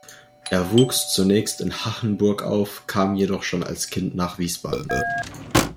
Er wuchs zunächst in Hachenburg auf, kam jedoch schon als Kind nach Wiesbaden.